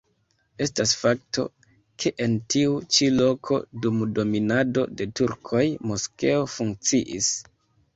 Estas fakto, ke en tiu ĉi loko dum dominado de turkoj moskeo funkciis.